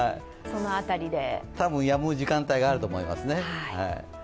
たぶん、やむ時間があると思いますね。